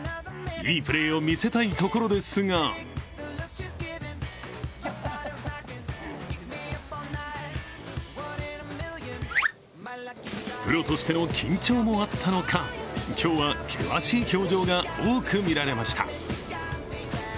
いいプレーを見せたいところですがプロとしての緊張もあったのか、今日は険しい表情が多く見られました。